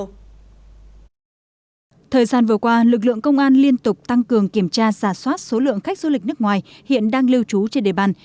thời gian vừa qua lực lượng công an liên tục tăng cường kiểm tra giả soát số lượng khách du lịch nước ngoài hiện đang lưu trú trên địa bàn